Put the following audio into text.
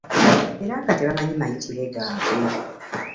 Era nga tebamanyi mayitire gaabwe.